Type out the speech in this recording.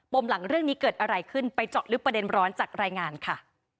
มหลังเรื่องนี้เกิดอะไรขึ้นไปเจาะลึกประเด็นร้อนจากรายงานค่ะ